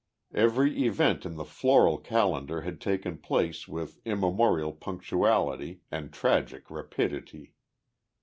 Every event in the floral calendar had taken place with immemorial punctuality and tragic rapidity.